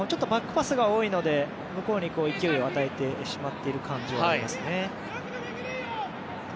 バックパスが多いので向こうに勢いを与えてしまっている感じはありますね。